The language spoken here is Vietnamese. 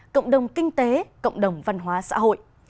cộng đồng kinh tế cộng đồng văn hóa xã hội